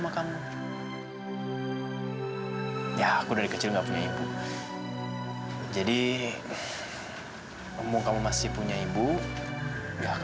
aku mau cari evita di kantor mungkin dia disana